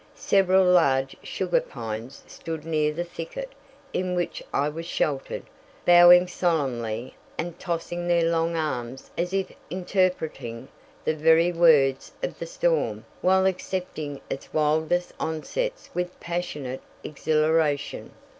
Several large Sugar Pines stood near the thicket in which I was sheltered, bowing solemnly and tossing their long arms as if interpreting the very words of the storm while accepting its wildest onsets with passionate exhilaration.